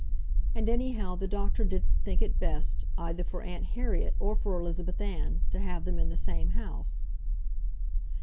And anyhow the doctor didn't think it best, either for Aunt Harriet or for Elizabeth Ann, to have them in the same house.